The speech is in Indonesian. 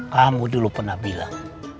kamu dulu pernah bilang